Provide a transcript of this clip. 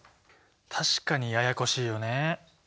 確かにややこしいよね。